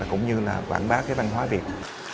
cũng như là quảng bá cái văn hóa việt